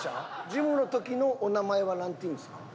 事務の時のお名前はなんていうんですか？